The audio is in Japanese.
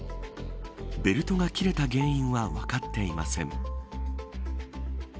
ベルトが切れた原因は分かっていません。